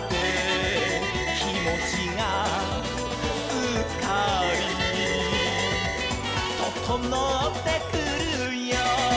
「きもちがすっかり」「ととのってくるよ」